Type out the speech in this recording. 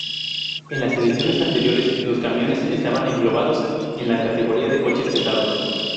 En las ediciones anteriores, los camiones estaban englobados en la categoría de coches pesados.